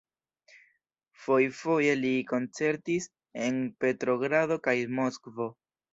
Fojfoje li koncertis en Petrogrado kaj Moskvo.